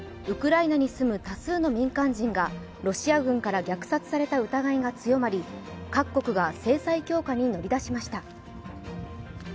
ウクライナに住む多数の民間人がロシア軍から虐殺された疑いが強まり各国が制裁強化に乗り出しました。